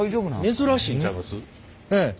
珍しいんちゃいます？